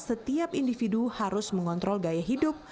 setiap individu harus mengontrol gaya hidup